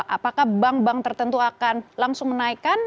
apakah bank bank tertentu akan langsung menaikkan